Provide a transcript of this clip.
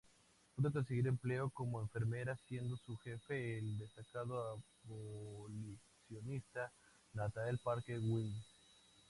Pudo conseguir empleo como enfermera, siendo su jefe el destacado abolicionista Nathaniel Parker Willis.